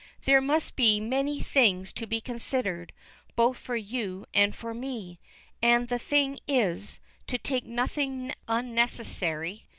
"There must be many things to be considered, both for you and for me. And the thing is, to take nothing unnecessary.